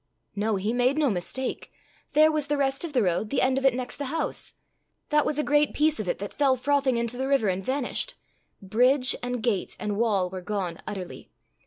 No; he made no mistake: there was the rest of the road, the end of it next the house! That was a great piece of it that fell frothing into the river and vanished! Bridge and gate and wall were gone utterly.